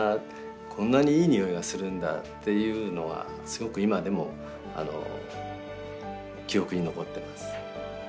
こんなにいい匂いがするんだっていうのがすごく今でも記憶に残ってます。